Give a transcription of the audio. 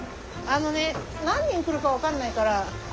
あのね何人来るか分かんないから。